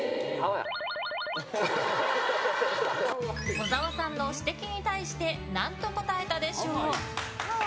小沢さんの指摘に対して何と答えたでしょう？